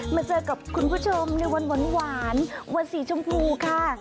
มาเจอกับคุณผู้ชมในวันหวานวันสีชมพูค่ะ